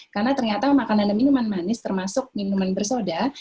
karena ternyata makanan dan minuman manis termasuk minuman bersoda